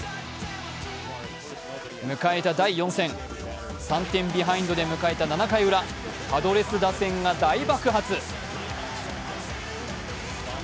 迎えた第４戦、３点ビハインドで迎えた７回ウラ、パドレス打線が大爆発。